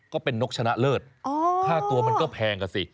ก็เป็นนกชนะเลิศค่าตัวมันก็แพงอ่ะสิ